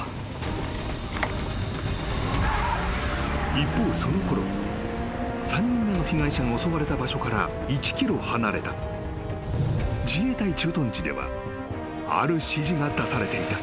［一方そのころ３人目の被害者が襲われた場所から１ｋｍ離れた自衛隊駐屯地ではある指示が出されていた］